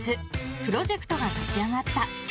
プロジェクトが立ち上がった。